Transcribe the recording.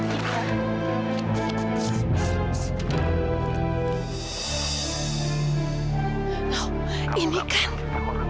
sampai ke tempat muamang